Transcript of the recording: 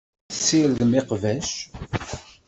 Ad tessirdem iqbac.